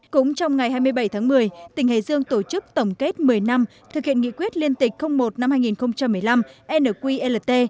cũng trong ngày hai mươi bảy tháng một mươi tỉnh hải dương tổ chức tổng kết một mươi năm thực hiện nghị quyết liên tịch một năm hai nghìn một mươi năm nqlt